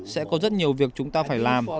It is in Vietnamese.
sẽ có rất nhiều việc chúng ta phải làm